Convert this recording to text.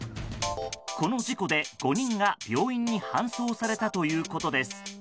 この事故で、５人が病院に搬送されたということです。